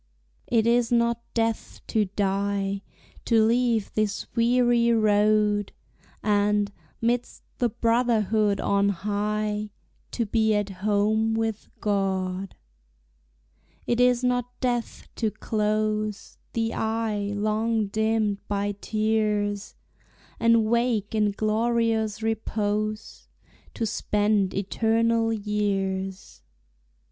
It is not death to die, To leave this weary road, And, midst the brotherhood on high, To be at home with God. It is not death to close The eye long dimmed by tears, And wake in glorious repose, To spend eternal years.